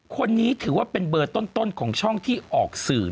คนนี้ถือว่าเป็นเบอร์ต้นของช่องที่ออกสื่อ